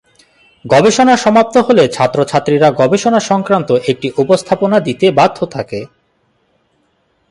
গবেষণা সমাপ্ত হলে ছাত্রছাত্রীরা গবেষণা সংক্রান্ত একটি উপস্থাপনা দিতে বাধ্য থাকে।